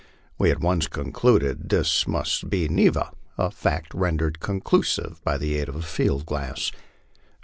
We at once concluded that this must be Neva, a fact rendered conclusive by the aid of a field glass.